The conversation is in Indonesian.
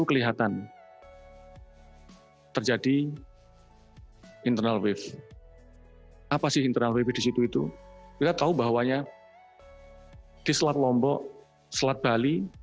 kita tahu bahwanya di selat lombok selat bali